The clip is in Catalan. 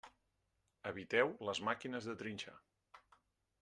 Eviteu les màquines de trinxar.